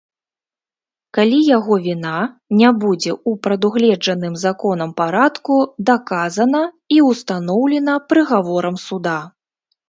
Калі яго віна не будзе ў прадугледжаным законам парадку даказана і ўстаноўлена прыгаворам суда.